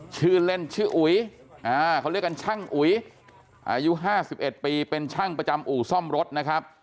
ชื่อเล่นชื่ออุ๋ยเขาเรียกกันช่างอุ๋ยอายุ๕๑ปีเป็นช่างประจำอู่ซ่อมรถนะครับ